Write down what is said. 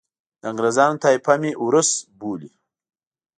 د انګریزانو طایفه مې اوروس بولي.